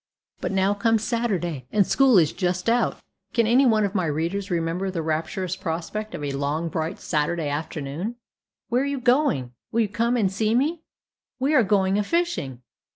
But now comes Saturday, and school is just out. Can any one of my readers remember the rapturous prospect of a long, bright Saturday afternoon? "Where are you going?" "Will you come and see me?" "We are going a fishing!"